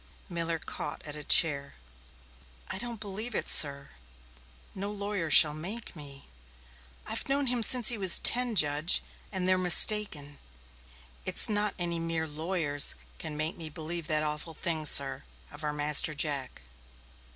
Miller caught at a chair. "I don't believe it, sir," he gasped. "No lawyer shall make me. I've known him since he was ten, Judge, and they're mistaken. It's not any mere lawyers can make me believe that awful thing, sir, of our Master Jack."